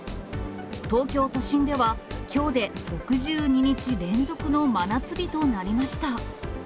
東京都心ではきょうで６２日連続の真夏日となりました。